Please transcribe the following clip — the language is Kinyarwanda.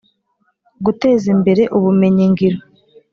Guteza imbere ubumenyingiro